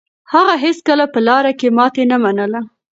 هغه هيڅکله په لاره کې ماتې نه منله.